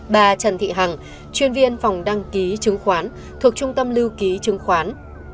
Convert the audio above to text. bà trần thị hằng chuyên viên phòng đăng ký trường khoán thuộc trung tâm lưu ký trường khoán